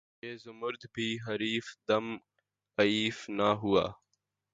یہ زمرد بھی حریف دم افعی نہ ہوا